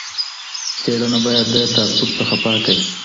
څېړنه باید د تعصب څخه پاکه وي.